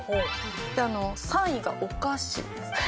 ３位がお菓子です。